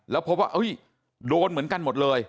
แล้วพบว่าโดนเหมือนกันหมดเลย